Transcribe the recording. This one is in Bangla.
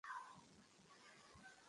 তিনি দীর্ঘদিন শ্বাসযন্ত্রের রোগে ভুগছিলেন।